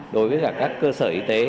đối với các cơ sở y tế